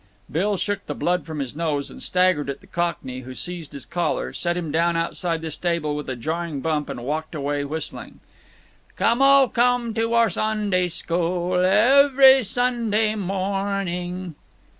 Bill shook the blood from his nose and staggered at the Cockney, who seized his collar, set him down outside the stable with a jarring bump, and walked away, whistling: "Come, oh come to our Sunday school, Ev v v v v v ry Sunday morn ing."